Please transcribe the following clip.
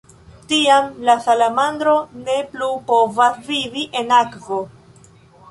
Tiam, la salamandro ne plu povas vivi en akvo.